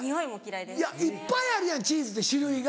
いやいっぱいあるやんチーズって種類が。